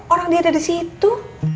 orang dia ada disitu